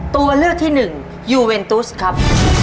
ตัวเลือกที่หนึ่งยูเวนตุสครับ